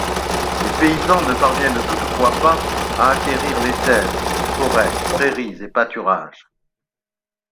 Les paysans ne parvinrent toutefois pas à acquérir les terres, forêts, prairies et pâturages.